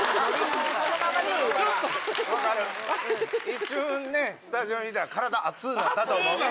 一瞬ねスタジオにいたら体熱ぅなったと思う。